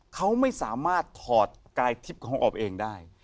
เขาไม่สามารถถอดกายทิพย์ของออบเองได้